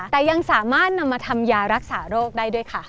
แต่ยังสามารถนำมาทำยารักษาโรคได้ด้วยค่ะ